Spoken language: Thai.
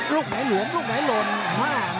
ลูกไหนหลวมลูกไหนหลนมาก